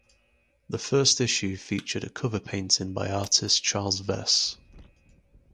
The first issue featured a cover painting by artist Charles Vess.